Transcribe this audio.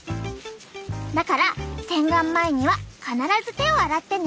だから洗顔前には必ず手を洗ってね。